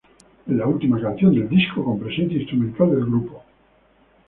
Es la última canción del disco con presencia instrumental del grupo.